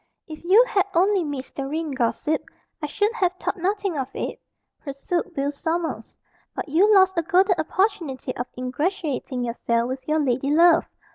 "If you had only missed the ring, gossip, I should have thought nothing of it," pursued Will Sommers; "but you lost a golden opportunity of ingratiating yourself with your lady love.